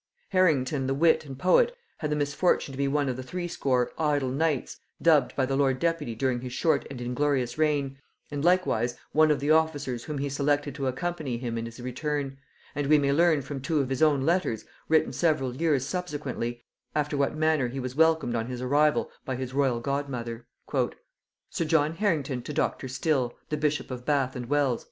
Harrington the wit and poet had the misfortune to be one of the threescore "idle knights," dubbed by the lord deputy during his short and inglorious reign, and likewise one of the officers whom he selected to accompany him in his return; and we may learn from two of his own letters, written several years subsequently, after what manner he was welcomed on his arrival by his royal godmother. "_Sir John Harrington to Dr. Still, the bishop of Bath and Wells.